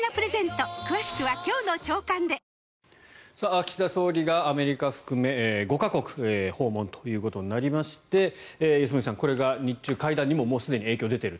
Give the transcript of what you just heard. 岸田総理がアメリカ含め５か国訪問ということになりまして良純さん、これが日中会談にもすでに影響が出ていると。